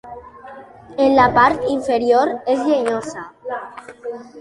En la part inferior és llenyosa.